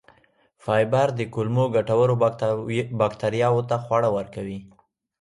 فایبر د کولمو ګټورو بکتریاوو ته خواړه ورکوي.